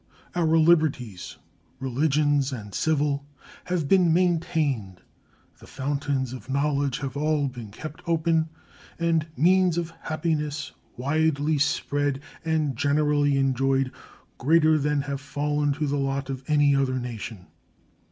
Our liberties, religions and civil, have been maintained, the fountains of knowledge have all been kept open, and means of happiness widely spread and generally enjoyed greater than have fallen to the lot of any other nation.